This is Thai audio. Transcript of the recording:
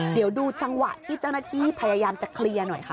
เดี๋ยวดูจังหวะที่เจ้าหน้าที่พยายามจะเคลียร์หน่อยค่ะ